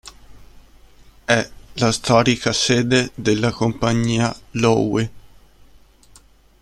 È la storica sede della compagnia Loewe.